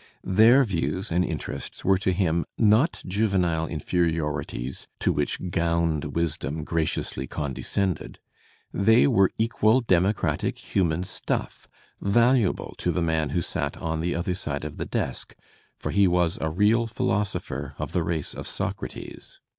Their views and interests were to him not juvenile inferiorities to which gowned wisdom graciously condescended; they were equal democratic human stuff, valuable to the man who sat on the other side of the desk, for he was a real philosopher of the race of Socrates.